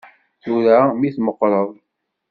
Tura mi tmeqqreḍ.